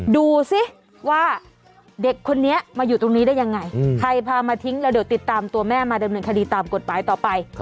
ดูสิว่าเด็กคนนี้มาอยู่ตรงนี้ได้ยังไงใครพามาทิ้งแล้วเดี๋ยวติดตามตัวแม่มาดำเนินคดีตามกฎหมายต่อไป